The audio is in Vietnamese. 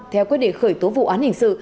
theo quy định khởi tố vụ án hình sự